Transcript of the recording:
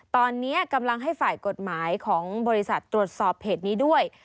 ตอนนี้กำลังให้ฝ่ายกฎหมายของบริษัทตรวจสอบเพจนี้ด้วย